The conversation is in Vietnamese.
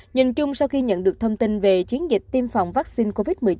nhìn chung sau khi nhận được thông tin về chiến dịch tiêm phòng vaccine covid một mươi chín